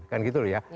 kan gitu loh ya